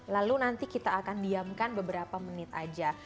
lalu nanti kita akan diamkan beberapa menit aja